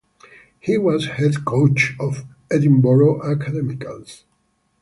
He was Head Coach of Edinburgh Academicals.